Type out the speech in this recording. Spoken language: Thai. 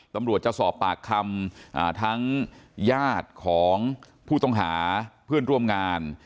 ตำรวจจะสอบปากคำทั้งญาติของผู้ต้องหาเพื่อนร่วมงาน